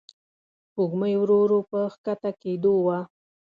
سپوږمۍ ورو ورو په کښته کېدو وه.